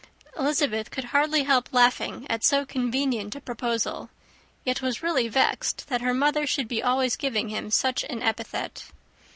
Elizabeth could hardly help laughing at so convenient a proposal; yet was really vexed that her mother should be always giving him such an epithet.